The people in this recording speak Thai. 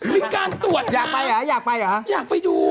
หรือการตรวจน้ำอยากไปหรออยากไปดู